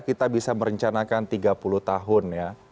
kita bisa merencanakan tiga puluh tahun ya